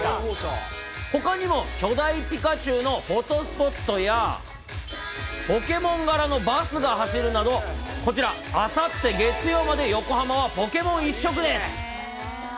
ほかにも、巨大ピカチュウのフォトスポットや、ポケモン柄のバスが走るなど、こちら、あさって月曜まで横浜はポケモン一色です。